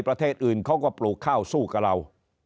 ประเทศอื่นเขาก็ปลูกข้าวสู้กับเรา